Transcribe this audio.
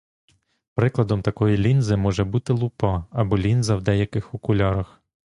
Прикладом такої лінзи може бути лупа або лінза в деяких окулярах.